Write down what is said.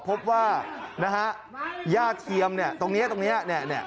พบว่านี่ฮะย่าเทียมตรงนี้นะฮะ